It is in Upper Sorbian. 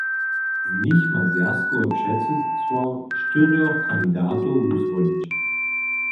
Z nich ma zwjazkowe předsydstwo štyrjoch kandidatow wuzwolić.